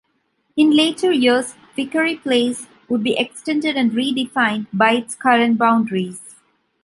In later years, Vickery Place would be extended and redefined by its current boundaries.